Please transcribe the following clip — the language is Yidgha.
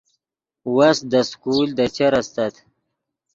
وس دے سکول دے چر استت